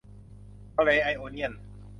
ทะเลไอโอเนียน